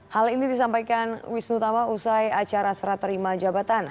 hal ini disampaikan wisnu tama usai acara seraterima jabatan